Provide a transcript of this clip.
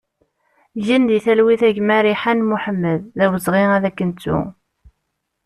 Gen di talwit a gma Riḥan Mohamed, d awezɣi ad k-nettu!